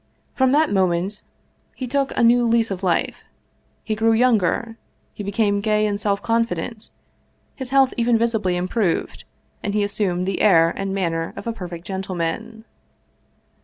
From that mo ment he took a new lease of life; he grew younger, he became gay and self confident, his health even visibly im proved, and he assumed the air and manner of a perfect gentleman.